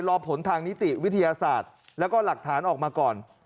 รอผลทางนิติวิทยาศาสตร์แล้วก็หลักฐานออกมาก่อน